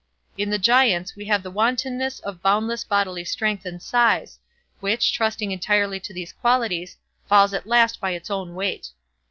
In the Giants we have the wantonness of boundless bodily strength and size, which, trusting entirely to these qualities, falls at last by its own weight.